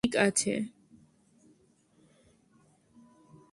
এইতো, এখন ঠিক আছে।